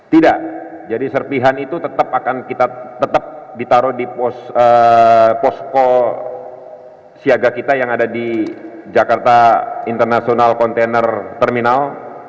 tidak jadi serpihan itu tetap akan kita tetap ditaruh di posko siaga kita yang ada di jakarta international container terminal